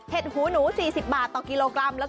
หูหนู๔๐บาทต่อกิโลกรัม